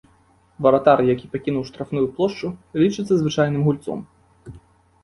Варатар, які пакінуў штрафную плошчу, лічыцца звычайным гульцом.